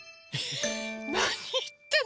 なにいってんの？